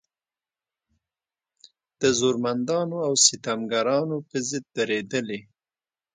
د زورمندانو او ستمګرانو په ضد درېدلې.